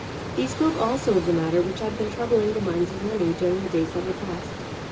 He spoke also of the matter which had been troubling the minds of many during the days that were past.